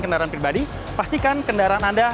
kendaraan pribadi pastikan kendaraan anda